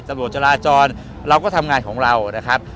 ตำรวจจราจรเราก็ทำงานของเรานะครับ